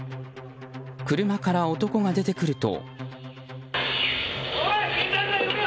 車から男が出てくると。